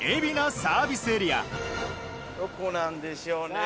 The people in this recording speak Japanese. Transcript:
どこなんでしょうね。